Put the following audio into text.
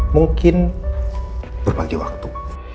mungkin berbagi waktu